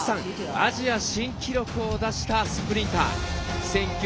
アジア新記録を出したスプリンター。